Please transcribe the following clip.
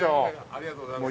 ありがとうございます。